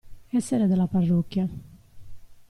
Essere della parrocchia.